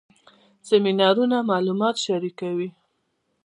سیمینارونه معلومات شریکوي